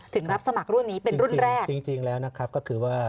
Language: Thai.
รับสมัครรุ่นนี้เป็นรุ่นแรกจริงจริงแล้วนะครับก็คือว่า